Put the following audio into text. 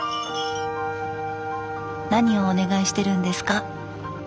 何をお願いしてるんですか？